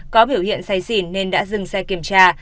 có biểu hiện say xỉn nên đã dừng xe kiểm tra